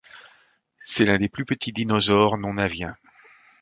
C'est l'un des plus petits dinosaures non-aviens.